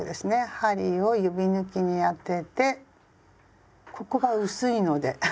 針を指ぬきに当ててここが薄いので。